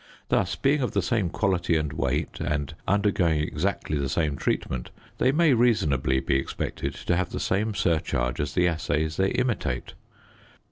Thus, being of the same quality and weight and undergoing exactly the same treatment, they may reasonably be expected to have the same surcharge as the assays they imitate.